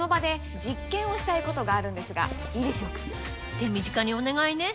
手短にお願いね。